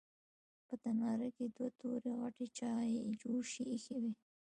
په تناره کې دوه تورې غټې چايجوشې ايښې وې.